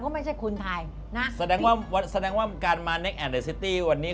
พี่มี